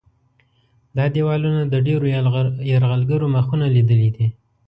دا دیوالونه د ډېرو یرغلګرو مخونه لیدلي دي.